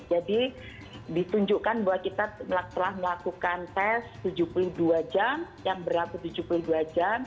jadi ditunjukkan bahwa kita telah melakukan tes tujuh puluh dua jam yang berlaku tujuh puluh dua jam